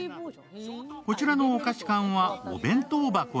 こちらのお菓子缶は、お弁当箱に。